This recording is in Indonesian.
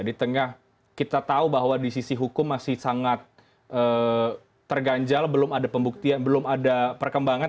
di tengah kita tahu bahwa di sisi hukum masih sangat terganjal belum ada pembuktian belum ada perkembangan